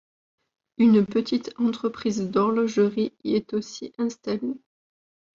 Une petite entreprise d'horlogerie y est aussi installée.